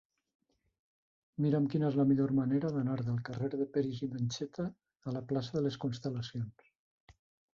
Mira'm quina és la millor manera d'anar del carrer de Peris i Mencheta a la plaça de les Constel·lacions.